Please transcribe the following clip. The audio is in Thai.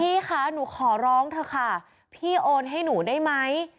พี่คะหนูขอร้องเถอะค่ะพี่โอนให้หนูได้ไหม